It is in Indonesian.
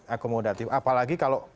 akomodatif apalagi kalau